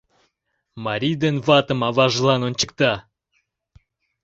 Марий ден ватым аважлан ончыкта: